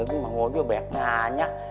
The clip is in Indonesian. aku lagi mah ngobrol banyak nganyak